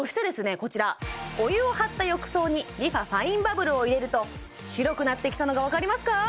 こちらお湯を張った浴槽にＲｅＦａファインバブルを入れると白くなってきたのが分かりますか？